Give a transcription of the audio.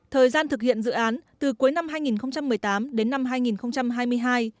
thời gian thực hiện dự án từ cuối năm hai nghìn một mươi tám đến năm hai nghìn hai mươi hai